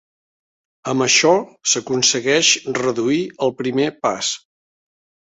Amb això s'aconsegueix reduir el primer pas.